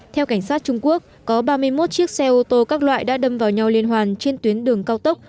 theo cảnh sát trung quốc có ba mươi một chiếc xe ô tô các loại đã đâm vào nhau liên hoàn trên tuyến đường cao tốc